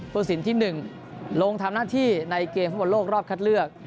สินที่๑ลงทำหน้าที่ในเกมฟุตบอลโลกรอบคัดเลือก